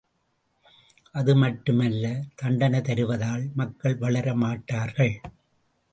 அது மட்டுமல்ல தண்டனை தருவதால் மக்கள் வளர மாட்டார்கள்.